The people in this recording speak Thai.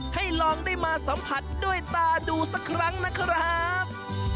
ให้ลองได้มาสัมผัสด้วยตาดูสักครั้งนะครับ